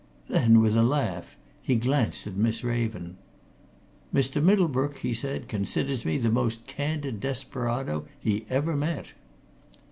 Then, with a laugh, he glanced at Miss Raven. "Mr. Middlebrook," he said, "considers me the most candid desperado he ever met!"